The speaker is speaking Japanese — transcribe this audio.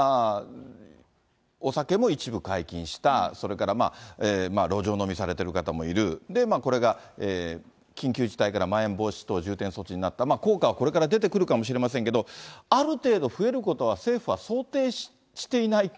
お酒も一部解禁した、それから路上飲みされている方もいる、これが緊急事態からまん延防止等重点措置になった、効果はこれから出てくるかもしれませんけど、ある程度増えることは、政府は想定していないと。